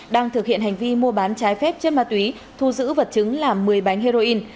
đang thực hiện hành vi mua bán trái phép chất ma túy thu giữ vật chứng là một mươi bánh heroin